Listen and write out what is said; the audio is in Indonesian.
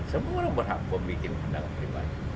semua orang berhak memikir pandangan pribadi